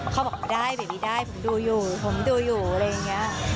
เขาบอกได้หรือไม่ได้ผมดูอยู่ผมดูอยู่อะไรอย่างนี้